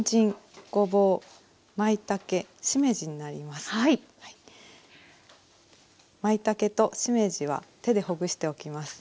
まいたけとしめじは手でほぐしておきます。